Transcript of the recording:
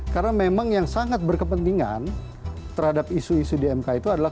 karena memang yang sangat berkepentingan terhadap isu isu di mk itu adalah